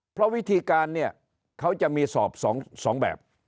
เพราะวิธีการเนี่ยเขาจะมีสอบ๒แบบ